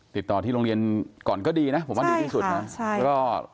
ติดต่อที่โรงเรียนก่อนก็ดีนะพวกมันดีสุด